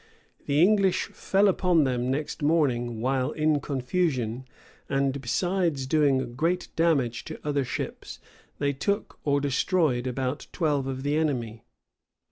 The English fell upon them next morning while in confusion; and besides doing great damage to other ships, they took or destroyed about twelve of the enemy.